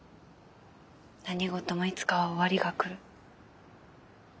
何事もいつか終わりが来る。